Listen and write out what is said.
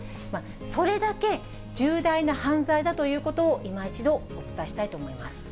それだけ重大な犯罪だということを、いま一度お伝えしたいと思い